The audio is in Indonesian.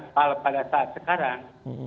apalagi pada saat sekarang